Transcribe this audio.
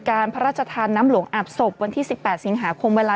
การพระราชธานำหลวงอาบศพวันที่สิบแปดสิงหาคมเวลา